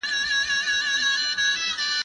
زه به سبا سينه سپين کوم